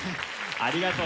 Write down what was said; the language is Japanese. ありがとう。